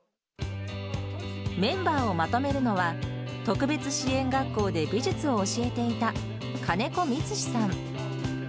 メンバーをまとめるのは、特別支援学校で美術を教えていた、金子光史さん。